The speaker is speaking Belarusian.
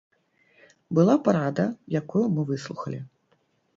Была парада, якую мы выслухалі.